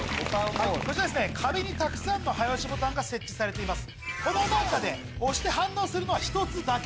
壁にたくさんの早押しボタンが設置されています。